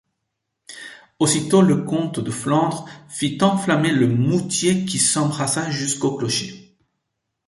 Aussitôt le comte de Flandre fit enflammer le moutier qui s’embrasa jusqu’au clocher.